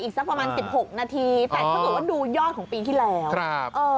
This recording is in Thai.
อีกสักประมาณ๑๖นาทีแต่ถ้าถือว่าดูย่อนของปีที่แล้ว